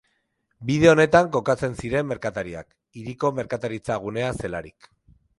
Bide honetan kokatzen ziren merkatariak, hiriko merkataritza gunea zelarik.